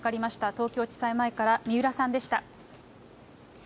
東京地裁前から三浦さんでした。